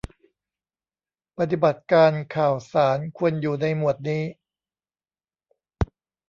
ปฏิบัติการข่าวสารควรอยู่ในหมวดนี้